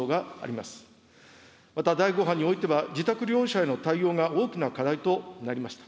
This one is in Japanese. また、第５波においては、自宅療養者への対応が大きな課題となりました。